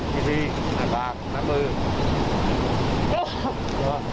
แพ้อากาศ